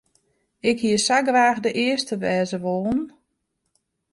Ik hie sa graach de earste wêze wollen.